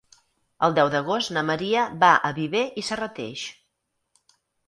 El deu d'agost na Maria va a Viver i Serrateix.